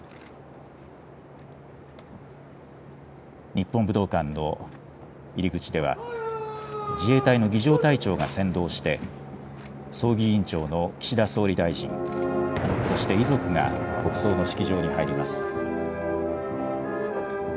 日本武道館の入り口では、自衛隊の儀じょう隊長が先導して、葬儀委員長の岸田総理大臣、そして遺族が国葬の式場に入ります。